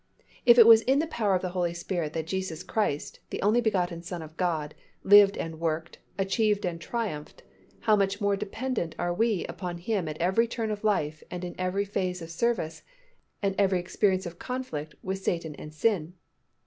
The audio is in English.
If it was in the power of the Holy Spirit that Jesus Christ, the only begotten Son of God, lived and worked, achieved and triumphed, how much more dependent are we upon Him at every turn of life and in every phase of service and every experience of conflict with Satan and sin.